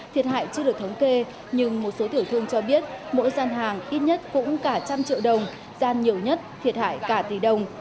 thiệt hại chưa được thống kê nhưng một số tiểu thương cho biết mỗi gian hàng ít nhất cũng cả trăm triệu đồng gian nhiều nhất thiệt hại cả tỷ đồng